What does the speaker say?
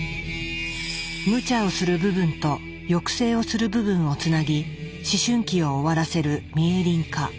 むちゃをする部分と抑制をする部分をつなぎ思春期を終わらせるミエリン化。